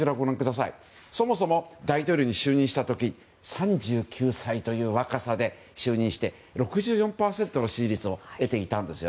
そもそも、大統領に就任した時は３９歳という若さで就任して、６４％の支持率を得ていたんです。